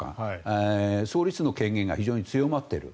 総理室の権限が非常に強まっている。